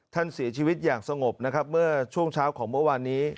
ท่านเสียชีวิตอย่างสงบนะครับเมื่อช่วงเช้าของเมื่อวานนี้